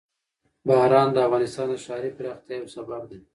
باران د افغانستان د ښاري پراختیا یو سبب دی.